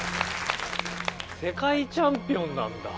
世界チャンピオンなんだ。